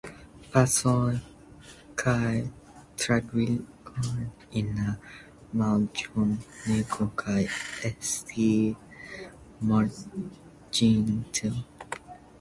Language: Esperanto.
Pacon kaj trankvilecon en la maljuneco kaj esti mortiginto?